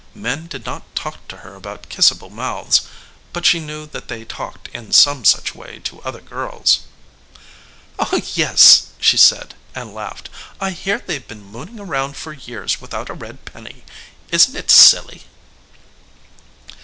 Men did not talk to her about kissable mouths, but she knew that they talked in some such way to other girls. "Oh, yes," she said, and laughed. "I hear they've been mooning around for years without a red penny. Isn't it silly?"